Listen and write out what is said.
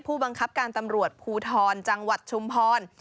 ผู้บังคับการตำรวจภูทรจังหวัดชุมพร